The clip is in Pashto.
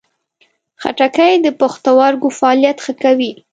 خټکی د پښتورګو فعالیت ښه کوي.